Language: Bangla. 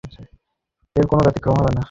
এর কোনো ব্যতিক্রম হবে না।